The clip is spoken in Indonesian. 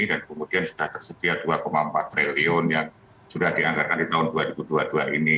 kemudian sudah tersedia dua empat triliun yang sudah dianggarkan di tahun dua ribu dua puluh dua ini